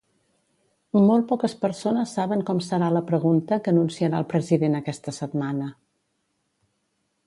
Molt poques persones saben com serà la pregunta que anunciarà el president aquesta setmana.